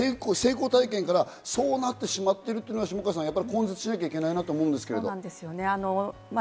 本人の成功体験からそうなってしまっているのは下川さん、根絶しなきゃいけないなと思うんですけど。